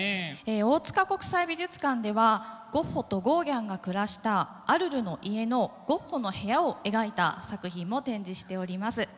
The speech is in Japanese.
大塚国際美術館ではゴッホとゴーギャンが暮らしたアルルの家のゴッホの部屋を描いた作品も展示しております。